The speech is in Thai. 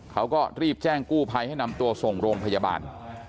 เขาก็รีบแจ้งกู้ภัยให้นำตัวส่งโรงพยาบาล